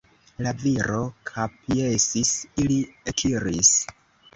La viro kapjesis, ili ekiris.